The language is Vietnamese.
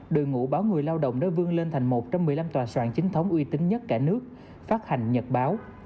đội ngũ báo người lao động đã vương lên thành một trong một mươi năm tòa soạn chính thống uy tín nhất cả nước phát hành nhật báo